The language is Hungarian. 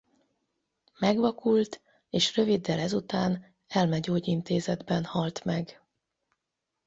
Megvakult és röviddel ezután elmegyógyintézetben halt meg.